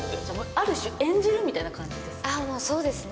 ある種演じるみたいな感じでああ、もうそうですね。